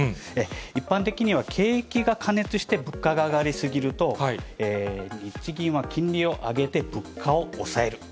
一般的には景気が過熱して物価が上がり過ぎると、日銀は金利を上げて物価を抑えると。